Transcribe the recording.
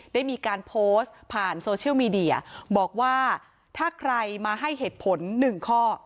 ได้มีการโพสต์ผ่านโซเชียลมีเดียบอกว่าถ้าใครมาให้เหตุผลหนึ่งข้อ